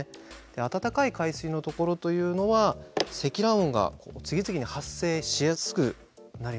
あたたかい海水のところというのは積乱雲が次々に発生しやすくなります。